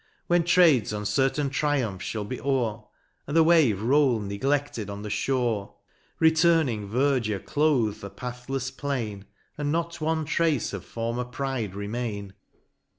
When Trade's uncertain triumph fhall be o'er, And the wave roll ncgle6led on the fliore ; Returning verdure cloathe the pathlefs plain, And not one trace of former pride remain.